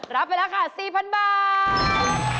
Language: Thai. รับไปราคา๔๐๐๐บาท